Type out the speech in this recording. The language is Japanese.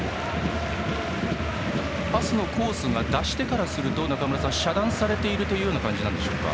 パスのコースが出し手からすると中村さん、遮断されている感じなんでしょうか。